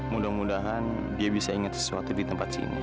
mudah mudahan dia bisa ingat sesuatu di tempat sini